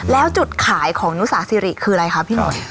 แล้วจุดขายของนุสาสิริคืออะไรคะพี่มนต์